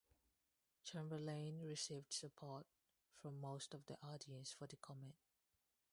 Chamberlain received support from most of the audience for the comment.